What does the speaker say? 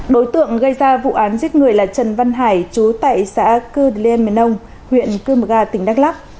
đối tượng gây ra vụ án giết người là trần văn hải chú tại xã cư đề lêm mần nông huyện cư mờ ga tỉnh đắk lắk